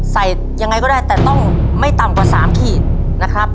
ใส่ยังไงก็ได้แต่ต้องไม่ต่ำกว่า๓ขีดนะครับ